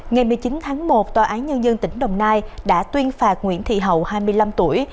ngày một mươi chín tháng một tòa án nhân dân tỉnh đồng nai đã tuyên phạt nguyễn thị hậu hai mươi năm tuổi